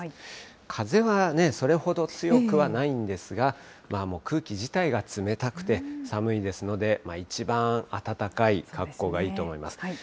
風はそれほど強くはないんですが、もう空気自体が冷たくて寒いですので、一番暖かい格好がいいと思います。